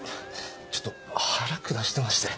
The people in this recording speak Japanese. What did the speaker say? ちょっと腹下してまして。